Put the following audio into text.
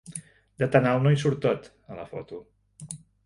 De tan alt no hi surt tot, a la foto.